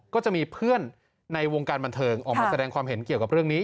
ก็จะมีเพื่อนในวงการบันเทิงออกมาแสดงความเห็นเกี่ยวกับเรื่องนี้